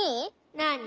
なに？